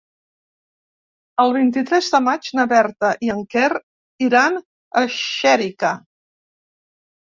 El vint-i-tres de maig na Berta i en Quer iran a Xèrica.